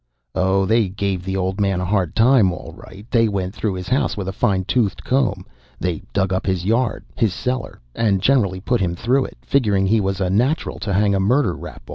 "Oh, they gave the old man a hard time, all right. They went through his house with a fine toothed comb. They dug up his yard, his cellar, and generally put him through it, figuring he was a natural to hang a murder rap on.